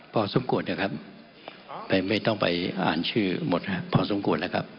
พคศปจะครับไม่ต้องไปอ่านชื่อหมดครับพคศนะครับ